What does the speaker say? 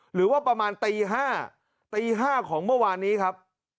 หรือว่าประมาณตี๕ตี๕ของเมื่อวานนี้ครับ